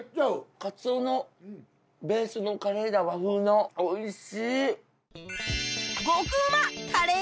カツオのベースのカレーだ和風のおいしい！